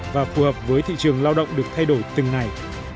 và phù hợp với thị trường lao động được thay đổi từng ngày